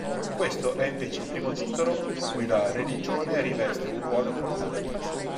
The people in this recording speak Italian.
Questo è invece il primo titolo in cui la religione riveste un ruolo importante.